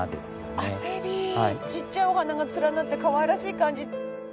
ちっちゃいお花が連なってかわいらしい感じ。